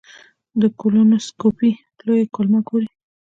د کولونوسکوپي لوی کولمه ګوري.